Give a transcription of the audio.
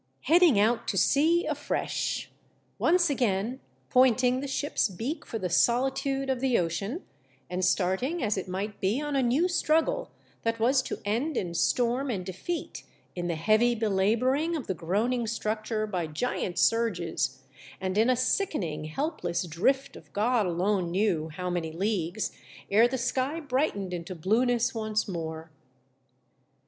Heading out to sea afresh ! Once aeain pointing the ship's beak for the solitude of the ocean, and starting as it might be on a new struggle that was to end in storm and defeat, in the heavy belabouring of the groaning structure by giant surges, and in a sickening helpless drift of God alone knew how many leagues, ere the sky brightened into blueness once more